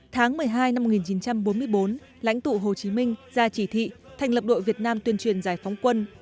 tháng một mươi hai năm một nghìn chín trăm bốn mươi bốn lãnh tụ hồ chí minh ra chỉ thị thành lập đội việt nam tuyên truyền giải phóng quân